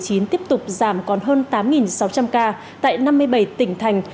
tuy nhiên trường hợp covid một mươi chín tiếp tục giảm còn hơn tám sáu trăm linh ca tại năm mươi bảy tỉnh thành